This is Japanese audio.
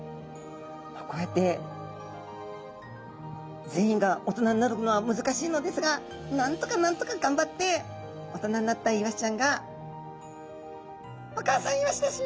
こうやって全員が大人になるのは難しいのですがなんとかなんとか頑張って大人になったイワシちゃんがお母さんイワシですよ